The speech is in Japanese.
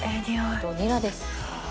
あとニラです。